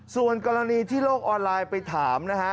ส่วนกรณีที่โลกออนไลน์ไปถามนะฮะ